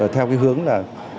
theo hướng là